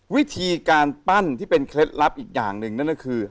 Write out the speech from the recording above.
วิธีการปั้นที่เป็นเคล็ดลับอีกอย่างหนึ่งนั่นก็คือ